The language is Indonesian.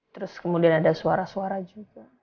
terus kemudian ada suara suara juga